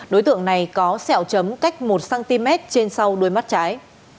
đối tượng này có xẹo chấm cách một cm trên sau đôi mắt trái